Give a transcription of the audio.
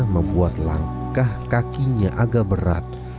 membuat langkah kakinya agak berat